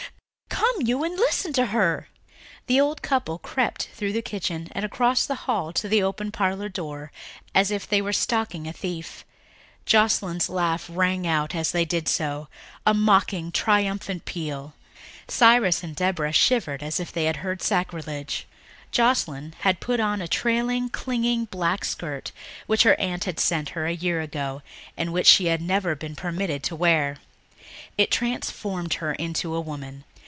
Come you and listen to her." The old couple crept through the kitchen and across the hall to the open parlour door as if they were stalking a thief. Joscelyn's laugh rang out as they did so ... a mocking, triumphant peal. Cyrus and Deborah shivered as if they had heard sacrilege. Joscelyn had put on a trailing, clinging black skirt which her aunt had sent her a year ago and which she had never been permitted to wear. It transformed her into a woman.